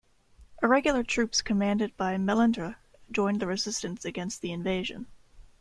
Irregular troops commanded by Melendre joined the resistance against the invasion.